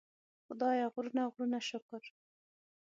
خدایه غرونه غرونه شکر.